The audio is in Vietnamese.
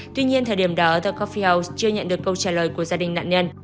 tuy nhiên thời điểm đó the coffee house chưa nhận được câu trả lời của gia đình nạn nhân